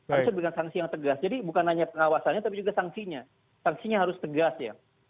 harusnya diberikan sanksi yang tegas jadi bukan hanya pengawasannya tapi juga sanksinya sanksinya harus tegas ya